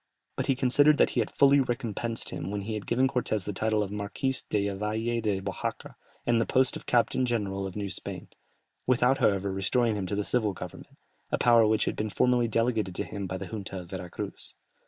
But he considered that he had fully recompensed him when he had given Cortès the title of Marquis della Valle de Oajaca, and the post of captain general of New Spain, without, however, restoring to him the civil government, a power which had been formerly delegated to him by the junta of Vera Cruz.